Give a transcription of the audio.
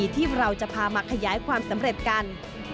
ที่เราจะพามาขยายความสำเร็จกัน